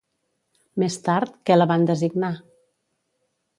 Més tard, què la van designar?